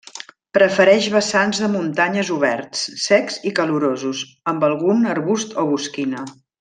Prefereix vessants de muntanyes oberts, secs i calorosos, amb algun arbust o bosquina.